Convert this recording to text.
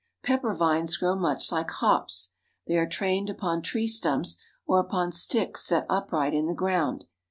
Pepper vines grow much like hops. They are trained upon tree stumps or upon sticks set upright in the ground.